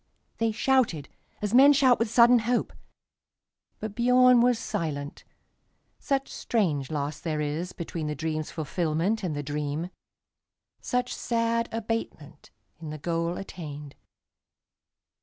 They shouted as men shout with sudden hope; But Biörn was silent, such strange loss there isBetween the dream's fulfilment and the dream, Such sad abatement in the goal attained.